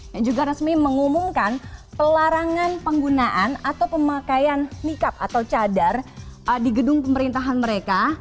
yang juga resmi mengumumkan pelarangan penggunaan atau pemakaian mikap atau cadar di gedung pemerintahan mereka